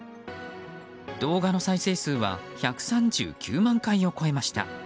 動画の再生数は１３９万回を超えました。